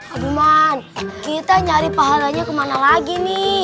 aduman kita nyari pahalanya kemana lagi nih